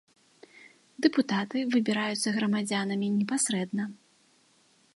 Дэпутаты выбіраюцца грамадзянамі непасрэдна.